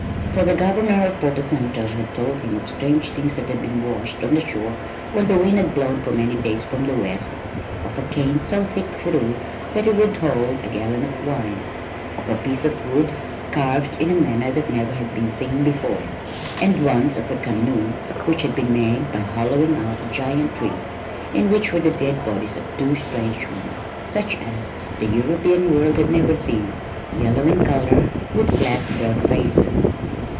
For the Governor of Porto Santo had told him of strange things that had been washed on shore when the wind had blown for many days from the west of a cane so thick through that it would hold a gallon of wine, of a piece of wood carved in a manner that never had been seen before, and once of a canoe, which had been made by hollowing out a giant tree, in which were the dead bodies of two strange men such as the European world had never seen, yellow in color with flat, broad faces.